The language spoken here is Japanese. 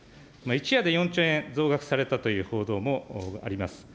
一夜で４兆円増額されたという報道もあります。